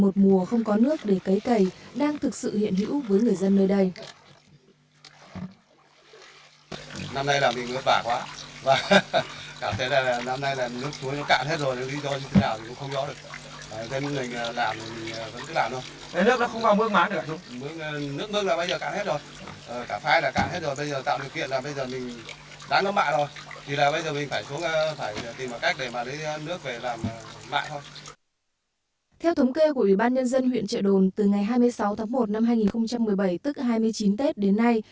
từ ngày hai mươi sáu tháng một năm hai nghìn một mươi bảy tức hai mươi chín tết đến nay